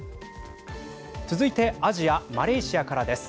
続いてアジアマレーシアからです。